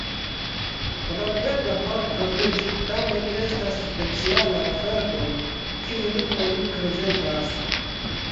Gravega parto de ĝi tamen estas speciala oferto, kiun oni prezentas.